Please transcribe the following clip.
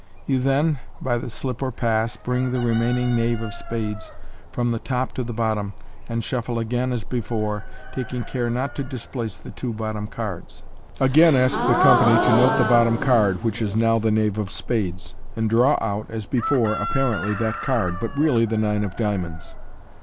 You then (by the slip or pass) bring the remaining knave of spades from the top to the bottom, and shuffle again as before, taking care not to displace the two bottom cards. Again ask the company to note the bottom card (which is now the knave of spades), and draw out, as before, apparently that card, but really the nine of diamonds.